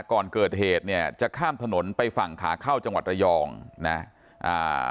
ก่อนเกิดเหตุเนี่ยจะข้ามถนนไปฝั่งขาเข้าจังหวัดระยองนะอ่า